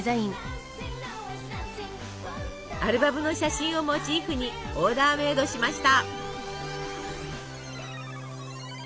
アルバムの写真をモチーフにオーダーメードしました。